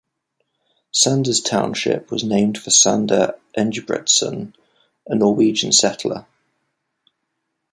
Sanders Township was named for Sander Engebretson, a Norwegian settler.